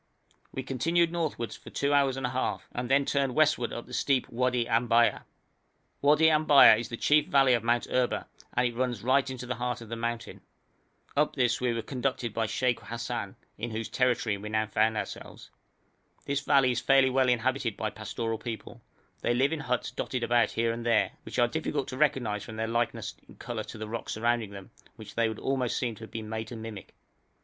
We continued northward for two hours and a half, and then turned westward up the steep Wadi Ambaya. Wadi Ambaya is the chief valley of Mount Erba, and it runs right into the heart of the mountain. Up this we were conducted by Sheikh Hassan, in whose territory we now found ourselves. This valley is fairly well inhabited by pastoral people; they live in huts dotted about here and there, which are difficult to recognise from their likeness in colour to the rocks surrounding them, which they would almost seem to have been made to mimic.